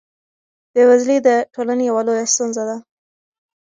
بېوزلي د ټولنې یوه لویه ستونزه ده.